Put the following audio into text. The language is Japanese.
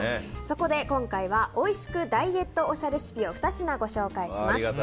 そこで、今回はおいしくダイエットおしゃレシピを２品ご紹介します。